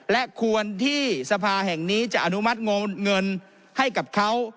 และควรที่สภาแห่งนี้จะอนุมัติงเงินให้กับเขา